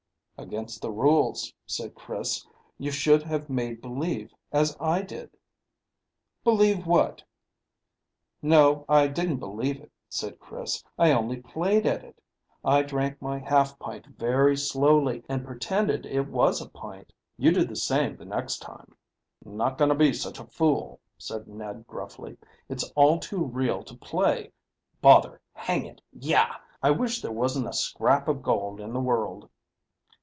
"Against the rules," said Chris. "You should have made believe, as I did." "Believe what?" "No, I didn't believe it," said Chris; "I only played at it. I drank my half pint very slowly, and pretended it was a pint. You do the same the next time." "Not going to be such a fool," said Ned gruffly. "It's all too real to play. Bother! Hang it! Yah! I wish there wasn't a scrap of gold in the world."